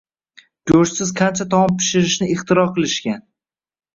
Go`shtsiz qancha taom pishirishni ixtiro qilishgan